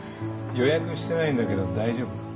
予約してないんだけど大丈夫？